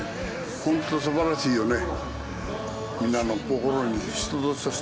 本当すばらしいよね。